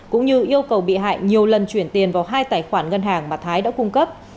cũng như yêu cầu bị hại nhiều lần chuyển tiền vào hai tài khoản ngân hàng mà thái đã cung cấp